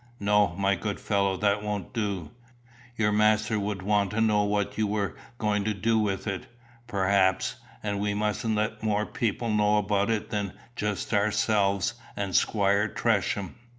"No, my good fellow, that won't do. Your master would want to know what you were going to do with it, perhaps; and we mustn't let more people know about it than just ourselves and Squire Tresham.